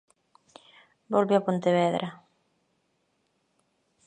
Volve a Pontevedra.